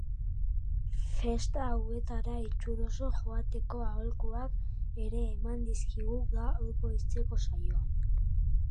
Festa hauetara itxuroso joateko aholkuak ere eman dizkigu gaur goizeko saioan.